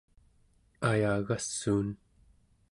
ayagassuun